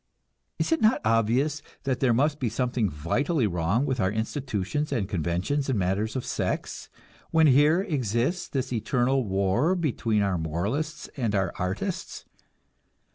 Is it not obvious that there must be something vitally wrong with our institutions and conventions in matters of sex, when here exists this eternal war between our moralists and our artists?